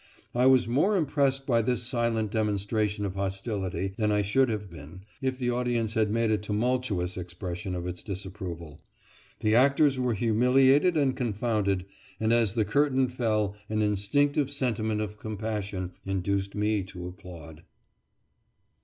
I was more impressed by this silent demonstration of hostility than I should have been if the audience had made a tumultuous expression of its disapproval. The actors were humiliated and confounded, and as the curtain fell an instinctive sentiment of compassion induced me to applaud.